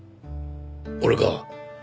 俺か？